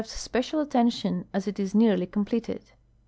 s special attention, as it is nearly eonipleh'd.